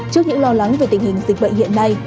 trước những lo lắng về tình hình dịch bệnh hiện nay